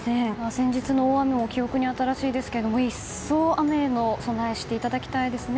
先日の大雨も記憶に新しいですが一層雨の備えをしていただきたいですね。